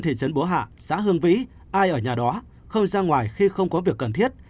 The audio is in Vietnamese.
thị trấn bố hạ xã hương vĩ ai ở nhà đó khơi ra ngoài khi không có việc cần thiết